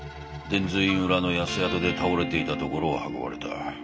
伝通院裏の安宿で倒れていたところを運ばれた。